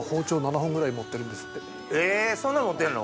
えそんな持ってんの？